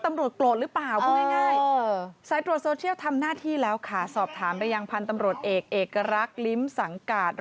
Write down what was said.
อาจจะอยากเอาเหรียญเข้าไปแซวตำรวจหรือเปล่า